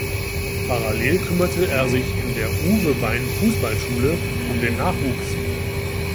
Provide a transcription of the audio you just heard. Parallel kümmerte er sich in der "Uwe-Bein-Fußballschule" um den Nachwuchs.